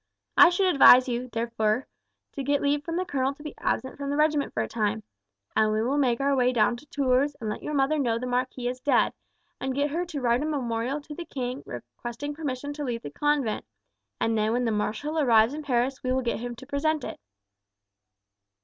I should advise you, therefore, to get leave from the colonel to be absent from the regiment for a time, and we will make our way down to Tours and let your mother know the marquis is dead, and get her to write a memorial to the king requesting permission to leave the convent, and then when the marshall arrives in Paris we will get him to present it."